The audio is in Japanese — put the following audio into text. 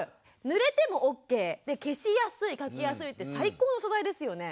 ぬれてもオッケー消しやすい描きやすいって最高の素材ですよね。